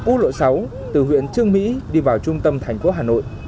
quốc lộ sáu từ huyện trương mỹ đi vào trung tâm thành phố hà nội